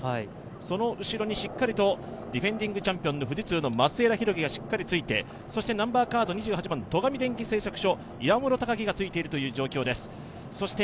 その後ろにしっかりとディフェンディングチャンピオンの富士通の松枝博輝がしっかりついてそして２８番、戸上電機製作所がついているという状況です。